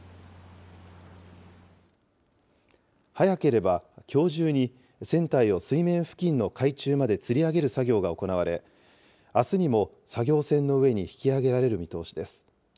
早ければきょう中に、船体を水面付近の海中までつり上げる作業が行われ、あすにも作業船の上に引き揚げられる見通しです。